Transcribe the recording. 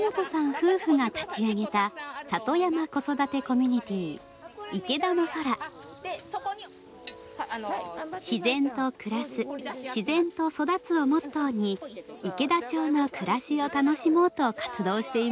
夫婦が立ち上げた「自然と暮らす・自然と育つ」をモットーに池田町の暮らしを楽しもうと活動しています。